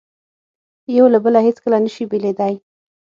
یو له بله هیڅکله نه شي بېلېدای.